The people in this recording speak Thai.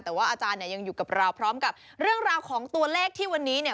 แต่ว่าอาจารย์เนี่ยยังอยู่กับเราพร้อมกับเรื่องราวของตัวเลขที่วันนี้เนี่ย